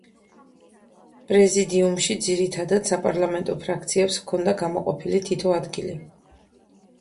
პრეზიდიუმში ძირითად საპარლამენტო ფრაქციებს ჰქონდა გამოყოფილი თითო ადგილი.